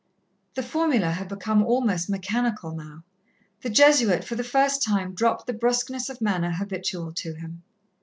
The formula had become almost mechanical now. The Jesuit for the first time dropped the brusqueness of manner habitual to him.